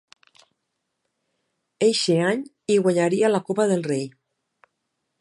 Eixe any hi guanyaria la Copa del Rei.